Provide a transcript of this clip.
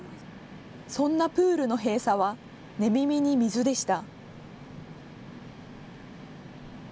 そんなプールの閉鎖は寝耳に水でした。